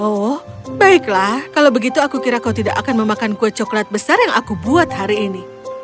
oh baiklah kalau begitu aku kira kau tidak akan memakan kue coklat besar yang aku buat hari ini